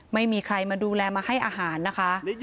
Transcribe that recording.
ไม่มีใครมาดูแลมาให้อาหารนะคะ